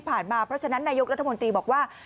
เยอะ๒๓วันที่ผ่านมาเพราะฉะนั้นนายกรัฐมนตรีบอกว่า